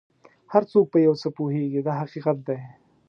هر څوک په یو څه پوهېږي دا حقیقت دی.